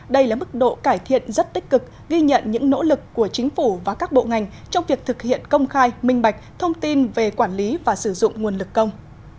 đây là mức độ cải thiện rất tích cực ghi nhận những nỗ lực của chính phủ và các bộ ngành trong việc thực hiện công khai minh bạch thông tin về quản lý và sử dụng nguồn lực công